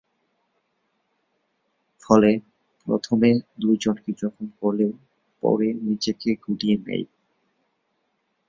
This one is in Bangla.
ফলে, প্রথমে দু’জনকে জখম করলেও পরে নিজেকে গুটিয়ে নেয়।